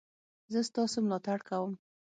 زه ستاسو ملاتړ کوم